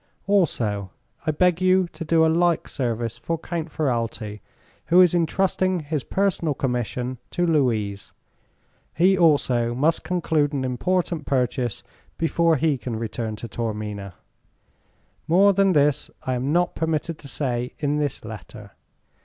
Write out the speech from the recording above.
"Also I beg you to do a like service for Count Ferralti, who is entrusting his personal commission, to Louise. He also must conclude an important purchase before he can return to Taormina. "More than this I am not permitted to say in this letter.